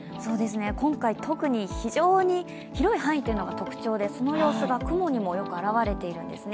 今回、特に非常に広い範囲というのが特徴で、その様子が雲にもよく表れているんですね。